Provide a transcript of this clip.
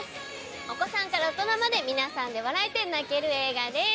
お子さんから大人まで皆さんで笑えて泣ける映画です。